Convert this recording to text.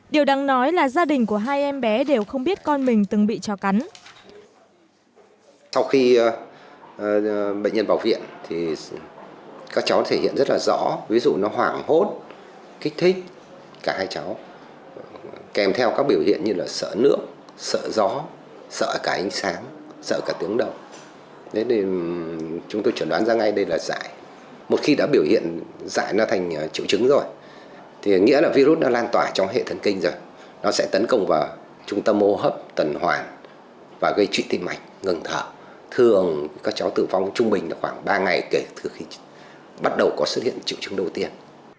điều đáng nói là gia đình của hai em bé đều không biết con mình từng bị chó cắn